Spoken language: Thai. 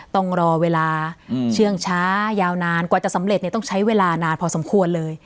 ต้องรอเวลาเชื่องช้ายาวนานกว่าจะสำเร็จต้องใช้เวลานานพอสมควรเลย